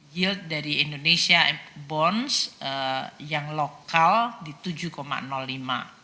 yield dari indonesia bonds yang lokal di tujuh lima